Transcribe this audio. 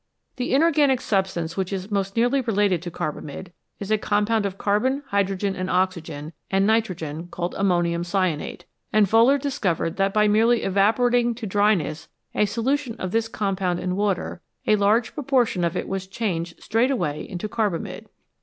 The inorganic substance which is most nearly related to carbamide is a compound of carbon, hydrogen, oxygen, and nitrogen called ammonium cyanate, and Wohler discovered that by merely evaporat ing to dryness a solution of this compound in water a large proportion of it was changed straight away into carbamide.